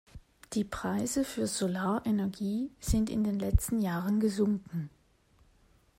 Die Preise für Solarenergie sind in den letzten Jahren gesunken.